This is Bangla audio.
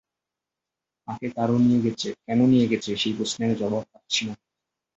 তাঁকে কারা নিয়ে গেছে, কেন নিয়ে গেছে, সেই প্রশ্নের জবাব পাচ্ছি না।